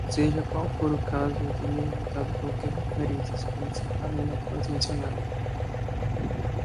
Seja qual for o caso, eu teria evitado qualquer referência explícita além daquelas mencionadas.